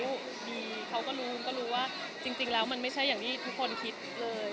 ดีเขาก็รู้ก็รู้ว่าจริงแล้วมันไม่ใช่อย่างที่ทุกคนคิดเลย